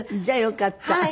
じゃあよかった。